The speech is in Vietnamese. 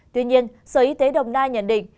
tuy nhiên sở y tế đồng nai nhận định